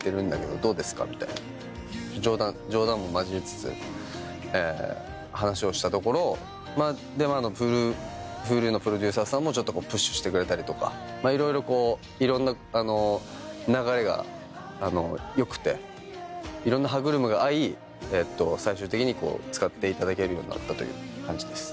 冗談を交えつつ話をしたところＨｕｌｕのプロデューサーさんもプッシュしてくれたりとかいろいろいろんな流れが良くていろんな歯車が合い最終的に使っていただけるようになったという感じです。